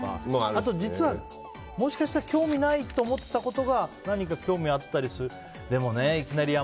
あと、もしかしたら興味ないと思ってたことが何か興味があったりする。